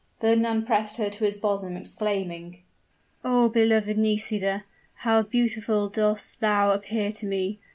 Fernand pressed her to his bosom, exclaiming, "Oh, beloved Nisida, how beautiful dost thou appear to me!